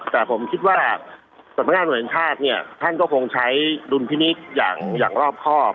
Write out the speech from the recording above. แต่ผมคิดว่าจัดบังการหน่วยแขนธาตุแท่นก็คงใช้รุนพิมิตรอย่างรอบครอบ